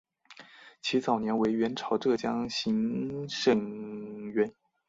其早年为元朝浙江行省掾。